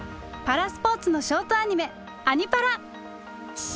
パラスポーツのショートアニメ「アニ×パラ」！